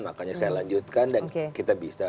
makanya saya lanjutkan dan kita bisa